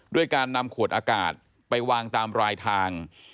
ด้วยการนำขวดอากาศไปวางตามรายทาง